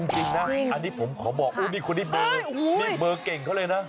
จริงนะอันนี้ผมขอบอกโอ้นี่คนนี้เบอร์นี่เบอร์เก่งเขาเลยนะ